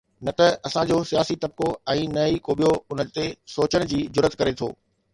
نه ته اسان جو سياسي طبقو ۽ نه ئي ڪو ٻيو ان تي سوچڻ جي جرئت ڪري ٿو.